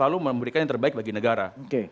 dan kami akan memberikan yang terbaik bagi negara